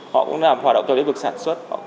họ cũng làm hoạt động cho đếm vực sản xuất